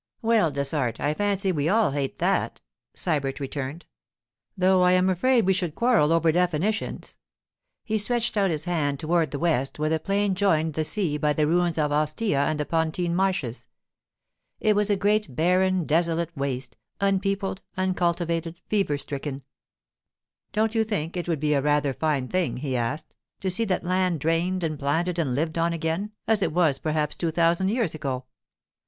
'Well, Dessart, I fancy we all hate that,' Sybert returned. 'Though I am afraid we should quarrel over definitions.' He stretched out his hand toward the west, where the plain joined the sea by the ruins of Ostia and the Pontine Marshes. It was a great, barren, desolate waste; unpeopled, uncultivated, fever stricken. 'Don't you think it would be rather a fine thing,' he asked, 'to see that land drained and planted and lived on again as it was perhaps two thousand years ago?